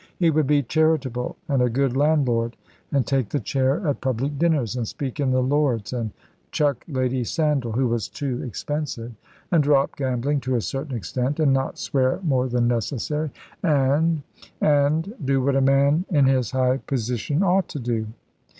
He would be charitable and a good landlord, and take the chair at public dinners, and speak in the Lords, and chuck Lady Sandal who was too expensive and drop gambling to a certain extent, and not swear more than necessary, and and do what a man in his high position ought to do.